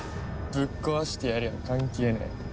ぶっ壊してやりゃ関係ねえ。